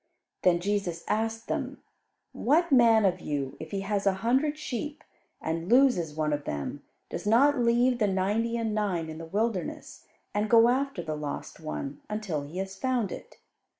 Then Jesus asked them, "What man of you, if he has a hundred sheep, and loses one of them, does not leave the ninety and nine in the wilderness, and go after the lost one, until he has found it?